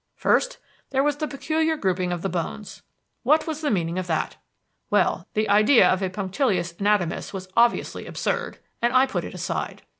First, there was the peculiar grouping of the bones. What was the meaning of that? Well, the idea of a punctilious anatomist was obviously absurd, and I put it aside.